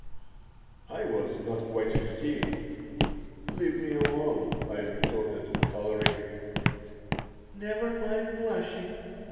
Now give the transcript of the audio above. I was not quite fifteen "Leave me alone," I retorted, coloring "Never mind blushing.